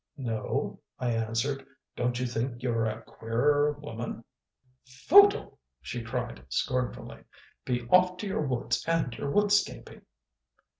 "No," I answered. "Don't you think you're a queerer woman?" "FOOTLE!" she cried scornfully. "Be off to your woods and your woodscaping!"